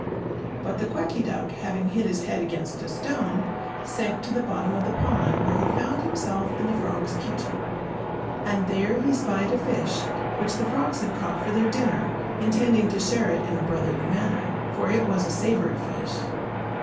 But the Quacky Duck, having hit his head against a stone, sank to the bottom of the pond, where he found himself in the frogs' kitchen. And there he spied a fish, which the frogs had caught for their dinner, intending to share it in a brotherly manner, for it was a savoury fish.